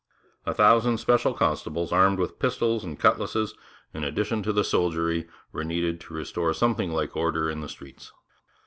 A thousand special constables, armed with pistols and cutlasses, in addition to the soldiery were needed to restore something like order in the streets.